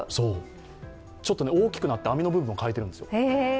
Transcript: ちょっと大きくなって網の部分も変えてるんです。